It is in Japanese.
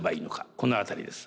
この辺りです。